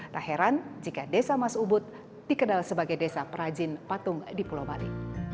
tak heran jika desa mas ubud dikenal sebagai desa perajin patung di pulau bali